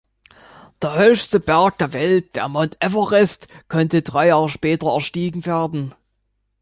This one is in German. Der höchste Berg der Welt, der Mount Everest, konnte drei Jahre später erstiegen werden.